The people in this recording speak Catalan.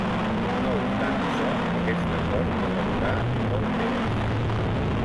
No obstant això, aquest acord no va durar molt temps.